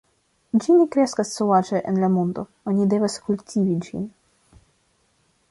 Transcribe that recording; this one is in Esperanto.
Ĝi ne kreskas sovaĝe en la mondo; oni devas kultivi ĝin.